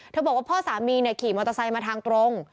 บอกว่าพ่อสามีขี่มอเตอร์ไซค์มาทางตรง